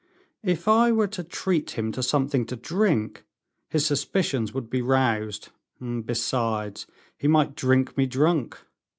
If I were to treat him to something to drink, his suspicions would be roused; and besides, he might drink me drunk.